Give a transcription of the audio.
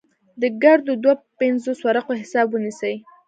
د ګردو دوه پينځوس ورقو حساب به نيسې.